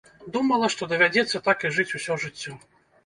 Думала, што давядзецца так і жыць усё жыццё.